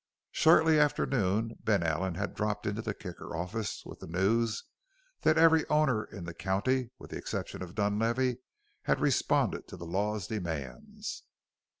Shortly after noon Ben Allen had dropped into the Kicker office with the news that every owner in the county with the exception of Dunlavey had responded to the law's demands.